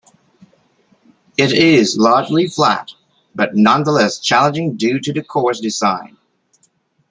It is largely flat but nonetheless challenging due to the course design.